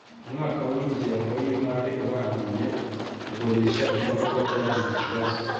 Umwaka w'ingengo y'imari urangiye kugurisha imodoka byagize ikibazo.